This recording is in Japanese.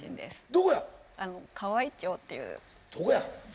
どこや？